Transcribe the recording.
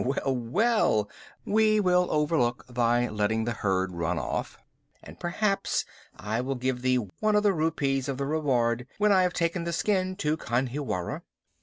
Well, well, we will overlook thy letting the herd run off, and perhaps I will give thee one of the rupees of the reward when I have taken the skin to Khanhiwara."